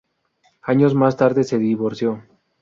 Años más tarde se divorcio.